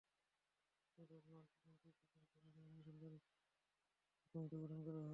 এরপর বিমানটির যান্ত্রিক ত্রুটির কারণ অনুসন্ধানে তিনটি তদন্ত কমিটি গঠন করা হয়।